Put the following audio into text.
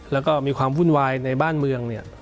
แล้วก็มีความวุ่นวายในบ้านเมืองเนี่ย